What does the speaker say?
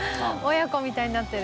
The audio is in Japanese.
親子みたいになってる。